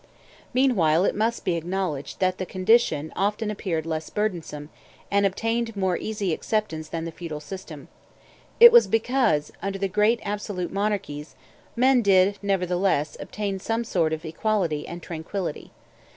Meanwhile, it must be acknowledged that that condition often appeared less burdensome, and obtained more easy acceptance than the feudal system. It was because, under the great absolute monarchies, men did, nevertheless, obtain some sort of equality and tranquillity.